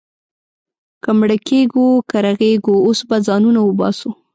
که مړه کېږو، که رغېږو، اوس به ځانونه وباسو.